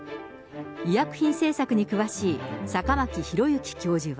医薬品政策に詳しい、坂巻弘之教授は。